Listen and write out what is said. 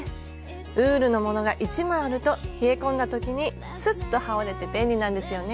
ウールのものが１枚あると冷え込んだ時にスッと羽織れて便利なんですよね。